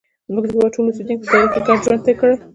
زموږ د هېواد ټولو اوسیدونکو په تاریخ کې ګډ ژوند کړی.